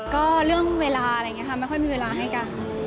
ก็เรื่องเวลาอะไรอย่างนี้ค่ะไม่ค่อยมีเวลาให้กัน